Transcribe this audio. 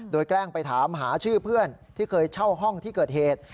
โดยแกล้งไปถามหาชื่อเพื่อนที่เคยเช่าห้องที่เกิดเหตุ